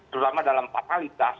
terutama dalam fatalitas